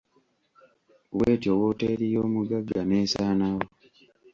Bw'etyo wooteri y'omuggaga n'essaanawo.